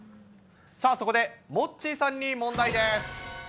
さあ、そこでモッチーさんに問題です。